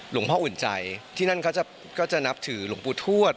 หลวงพ่ออุ่นใจที่นั่นเขาก็จะนับถือหลวงปู่ทวช